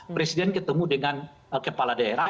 presiden ketemu dengan kepala daerah